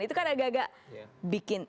itu kan agak agak bikin